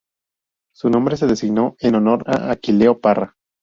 Su nombre se designó en honor a Aquileo Parra.